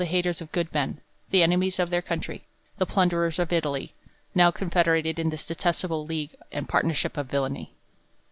aters of good men, the enemies of their country, the plunderers of Italy, now confederated in this detesta ble league and partnership of viLlany.